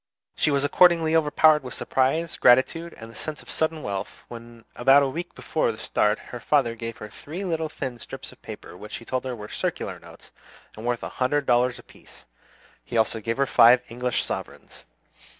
She was accordingly overpowered with surprise, gratitude, and the sense of sudden wealth, when about a week before the start her father gave her three little thin strips of paper, which he told her were circular notes, and worth a hundred dollars apiece. He also gave her five English sovereigns.